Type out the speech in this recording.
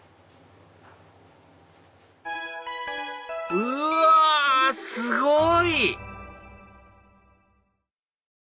うわすごい！